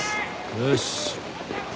よし！